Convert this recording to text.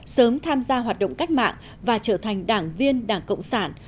sớm tham gia hoạt động cách mạng và trở thành đảng viên đảng cộng sản